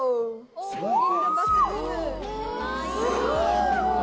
すごい。